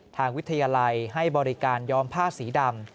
ทางวิทยาลัยให้บริการย้อมผ้าสีดำ